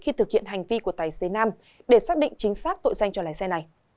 khi thực hiện hành vi của tài xế nam để xác định chính xác tội danh cho lái xe này